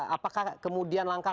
apakah kemudian langkah langkah itu